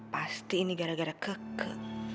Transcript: pasti ini gara gara keke